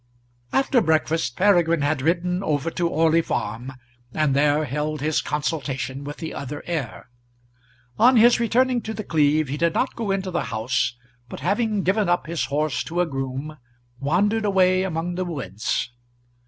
After breakfast Peregrine had ridden over to Orley Farm, and there held his consultation with the other heir. On his returning to The Cleeve, he did not go into the house, but having given up his horse to a groom, wandered away among the woods.